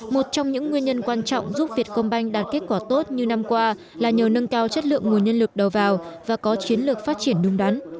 một trong những nguyên nhân quan trọng giúp việt công banh đạt kết quả tốt như năm qua là nhờ nâng cao chất lượng nguồn nhân lực đầu vào và có chiến lược phát triển đúng đắn